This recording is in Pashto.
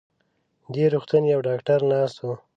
دې روغتون يو ډاکټر ناست و.